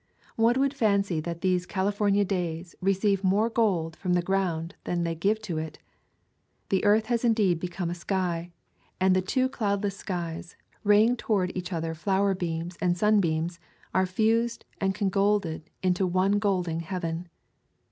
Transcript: One would fancy that these Cali fornia days receive more gold from the ground than they give to it. The earth has indeed become a sky; and the two cloudless skies, ray ing toward each other flower beams and sun beams, are fused and congolded into one glow ing heaven.